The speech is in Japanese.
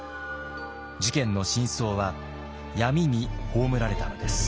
事件の真相は闇に葬られたのです。